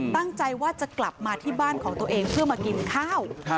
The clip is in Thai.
ตั้งใจว่าจะกลับมาที่บ้านของตัวเองเพื่อมากินข้าว